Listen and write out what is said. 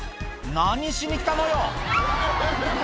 何しに来たのよ。